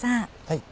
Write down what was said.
はい。